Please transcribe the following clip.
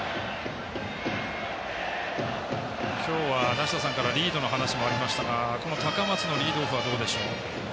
今日は梨田さんからリードの話がありましたが高松のリードオフはどうでしょう。